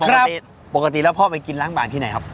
ใช่ปกติแล้วพ่อไปกินล้างบางที่ไหนครับ